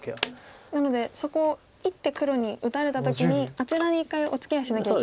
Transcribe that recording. なのでそこ１手黒に打たれた時にあちらに１回おつきあいしなきゃいけないと。